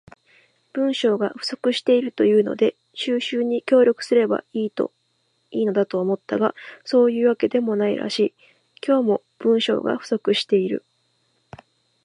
文章が不足しているというので収集に協力すれば良いのだと思ったが、そういうわけでもないらしい。今日も、文章が不足している。